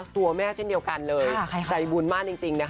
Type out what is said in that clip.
ตัวแม่เช่นเดียวกันเลยใจบุญมากจริงนะคะ